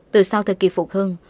từ sau thời kỳ phục hưng